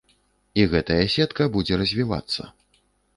І гэтая сетка будзе развівацца.